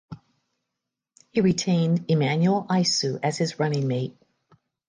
He retained Emmanuel Isu as his running mate.